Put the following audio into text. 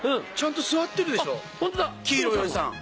黄色いおじさん。